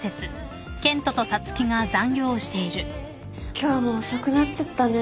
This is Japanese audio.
今日も遅くなっちゃったね。